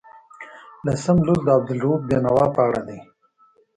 لسم لوست د عبدالرؤف بېنوا په اړه دی.